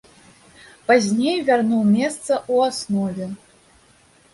Пазней вярнуў месца ў аснове.